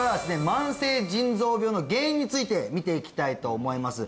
慢性腎臓病の原因について見ていきたいと思います